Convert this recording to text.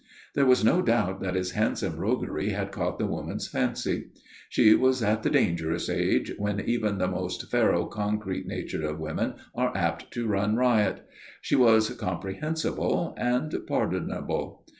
There was no doubt that his handsome roguery had caught the woman's fancy. She was at the dangerous age, when even the most ferro concrete natured of women are apt to run riot. She was comprehensible, and pardonable.